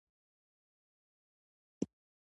مقوله ده: له ډېری درملو نه پرهېز غور دی.